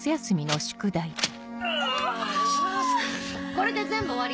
これで全部終わり？